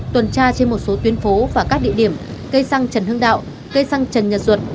tuần tra trên một số tuyến phố và các địa điểm cây xăng trần hưng đạo cây xăng trần nhật duật